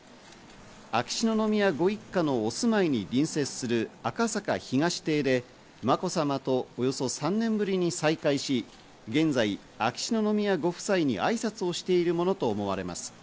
秋篠宮ご一家のお住まいに隣接する赤坂東邸でまこさまとおよそ３年ぶりに再会し、現在、秋篠宮ご夫妻に挨拶をしているものと思われます。